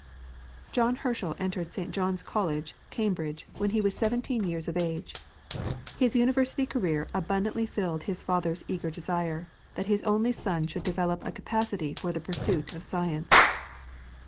John Herschel entered St. John's College, Cambridge, when he was seventeen years of age. His university career abundantly fulfilled his father's eager desire, that his only son should develop a capacity for the pursuit of science.